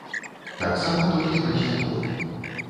Таксама толькі праз яго.